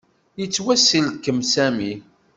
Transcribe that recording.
Yettwasselkem Sami.